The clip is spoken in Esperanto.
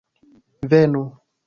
venu